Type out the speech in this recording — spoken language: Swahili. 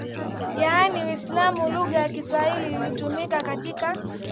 yaani Uislamu Lugha ya Kiswahili ilitumika katika